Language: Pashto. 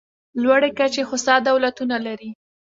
لوړې کچې هوسا دولتونه لري.